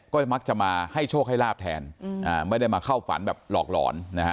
ก็มักจะมาให้โชคให้ลาบแทนไม่ได้มาเข้าฝันแบบหลอกหลอนนะฮะ